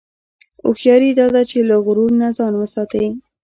هوښیاري دا ده چې له غرور نه ځان وساتې.